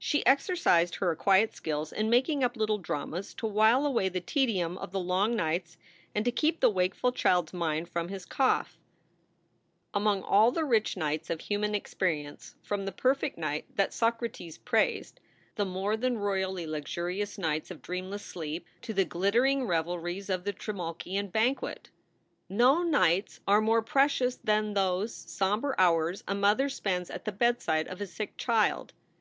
She exercised her acquired skill in making up little dramas to while away the tedium of the long nights and to keep the wakeful child s mind from his cough. SOULS FOR SALE 163 Among all the rich nights of human experience, from the perfect night that Socrates praised, the more than royally luxurious night of dreamless sleep, to the glittering revelries of a Trimalchian banquet, no nights are more precious than those somber hours a mother spends at the bedside of a sick child.